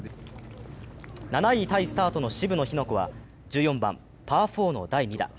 ７位タイスタートの渋野日向子は、１４番、パー４の第２打。